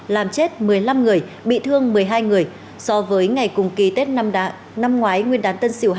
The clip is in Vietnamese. làm chết một mươi năm người bị thương một mươi hai người so với ngày cùng kỳ tết năm ngoái nguyên đán tân sỉu hai nghìn một mươi